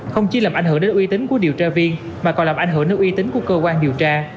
không chỉ làm ảnh hưởng đến uy tín của điều tra viên mà còn làm ảnh hưởng đến uy tín của cơ quan điều tra